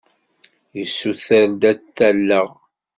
Yessuter-d ad t-alleɣ.